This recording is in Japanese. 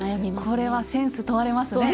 これはセンス問われますね。